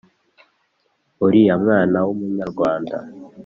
Uriya mwana w'umunyarwanda."